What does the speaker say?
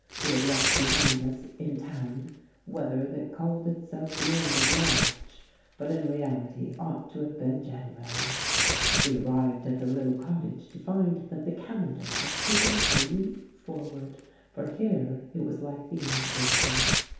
We had left behind us, in town, weather that called itself the end of March, but in reality ought to have been January; we arrived at the little cottage to find that the calendar had taken a leap forward, for here it was like the end of April.